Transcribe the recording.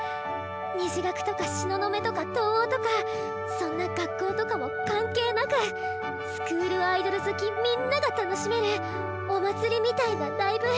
虹学とか東雲とか藤黄とかそんな学校とかも関係なくスクールアイドル好きみんなが楽しめるお祭りみたいなライブ。